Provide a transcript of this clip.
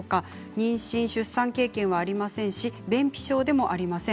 妊娠・出産経験がありませんし便秘症でもありません。